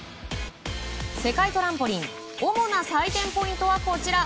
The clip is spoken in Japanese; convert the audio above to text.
世界トランポリン主な採点ポイントはこちら。